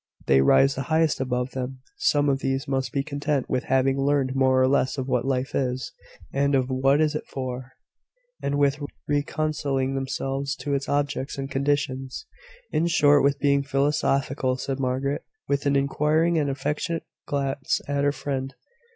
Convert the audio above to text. "They rise the highest above them. Some of these must be content with having learned more or less, of what life is, and of what it is for, and with reconciling themselves to its objects and conditions." "In short, with being philosophical," said Margaret, with an inquiring and affectionate glance at her friend.